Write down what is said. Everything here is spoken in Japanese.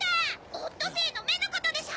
オットセイの目のことでしょ！